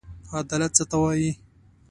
عدالت څه ته وايي؟